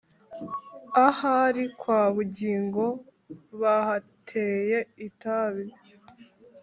Ahari kwa Bugingo Bahateye itabi!